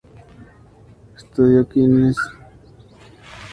Estudió en el Queen's College en Guyana en el Harrison College en Barbados.